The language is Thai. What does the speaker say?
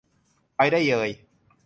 ไปได้เยย